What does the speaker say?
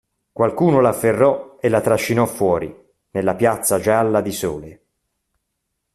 Qualcuno l'afferrò e la trascinò fuori nella piazza gialla di sole.